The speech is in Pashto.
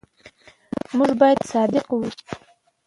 موږ باید صادق واوسو.